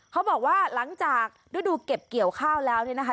เขาบอกว่าหลังจากฤดูเก็บเกี่ยวข้าวแล้วเนี่ยนะคะ